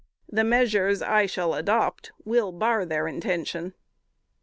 The measures I shall adopt will bar their intention."